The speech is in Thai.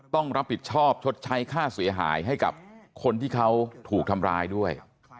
ต้องรับผิดชอบชดใช้ค่าเสียหายให้กับคนที่เขาถูกทำร้ายด้วย